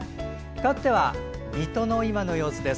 かわっては、水戸の今の様子です。